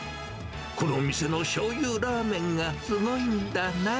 この店のしょうゆラーメンがすごいんだな。